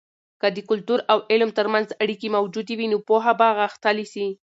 که د کلتور او علم ترمنځ اړیکې موجودې وي، نو پوهه به غښتلې سي.